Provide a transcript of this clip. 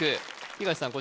東さん